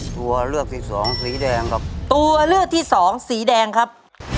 ตัวเลือกที่สองสีแดงครับตัวเลือกที่สองสีแดงครับ